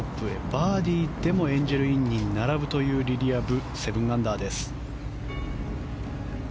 バーディーでもエンジェル・インに並ぶというリリア・ブ、７アンダーです。